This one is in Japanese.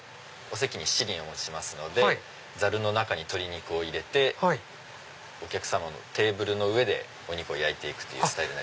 席にしちりんをお持ちしますのでざるの中に鶏肉を入れてお客様のテーブルの上でお肉を焼いて行くというスタイル。